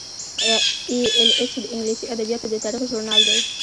ای ایل ایچ د انګلیسي ادبیاتو د تاریخ ژورنال دی.